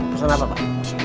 pesen apa pak